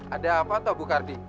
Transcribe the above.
ada apa pak bukardi